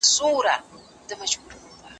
تاسو د دغه ناول لوستلو ته سترګې په لار یئ؟